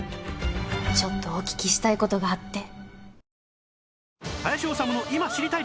ちょっとお聞きしたい事があって。